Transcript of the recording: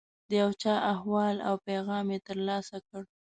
د یو چا احوال او پیغام یې ترلاسه کړ.